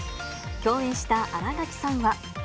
共演した新垣さんは。